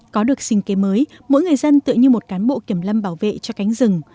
có được sinh kế mới mỗi người dân tự như một cán bộ kiểm lâm bảo vệ cho cánh rừng